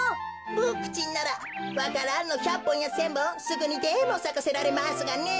ボクちんならわか蘭の１００ぽんや１，０００ぼんすぐにでもさかせられますがね。